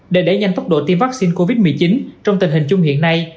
để đẩy nhanh tốc độ tiêm vaccine covid một mươi chín trong tình hình chung hiện nay